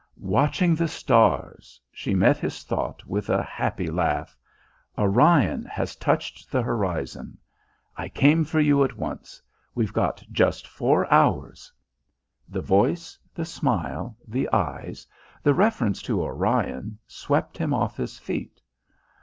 "Watching the stars," she met his thought with a happy laugh. "Orion has touched the horizon. I came for you at once. We've got just four hours!" The voice, the smile, the eyes, the reference to Orion, swept him off his feet.